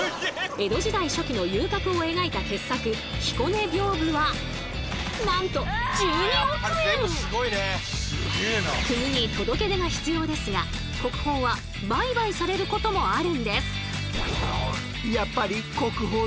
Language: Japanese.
江戸時代初期の遊郭を描いた傑作国に届け出が必要ですが国宝は売買されることもあるんです。